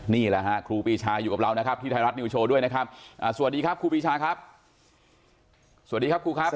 นี่แหละฮะครูปีชาอยู่กับเรานะครับที่ไทยรัฐนิวโชว์ด้วยนะครับสวัสดีครับครูปีชาครับสวัสดีครับครูครับ